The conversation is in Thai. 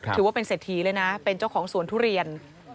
ถือว่าเป็นเศรษฐีเลยนะเป็นเจ้าของสวนทุเรียน